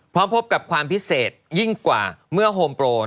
พบกับความพิเศษยิ่งกว่าเมื่อโฮมโปร